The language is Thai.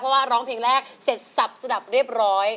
เพราะว่าร้องเพลงแรกเสร็จสับสนับเรียบร้อย